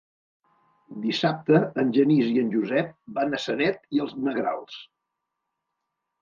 Dissabte en Genís i en Josep van a Sanet i els Negrals.